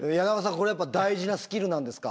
これやっぱ大事なスキルなんですか？